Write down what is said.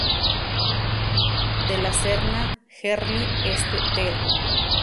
De la Serna, Gerli Este, Tel.